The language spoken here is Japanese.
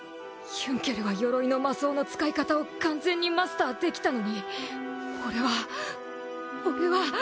ヒュンケルは鎧の魔槍の使い方を完全にマスターできたのに俺は俺は。